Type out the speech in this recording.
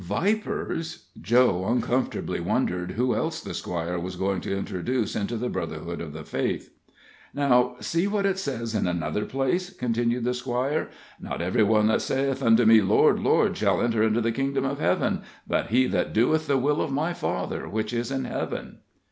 '" Vipers! Joe uncomfortably wondered who else the Squire was going to introduce into the brotherhood of the faith. "Now, see what it says in another place," continued the Squire, "Not every one that saith unto Me Lord, Lord, shall enter into the kingdom of heaven, but he that doeth the will of my Father which is in heaven."